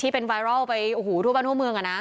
เป็นไวรัลไปโอ้โหทั่วบ้านทั่วเมืองอะนะ